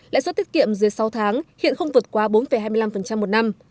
lãi suất tiết kiệm dưới sáu tháng hiện không vượt qua bốn hai mươi năm một năm